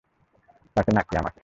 তাকে নাকি আমাকে?